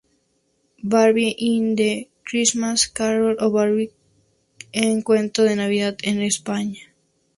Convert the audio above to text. Barbie in a Christmas Carol o Barbie en un Cuento de Navidad en España.